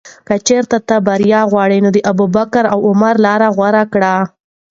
که چېرې ته بریا غواړې، نو د ابوبکر او عمر لاره غوره کړه.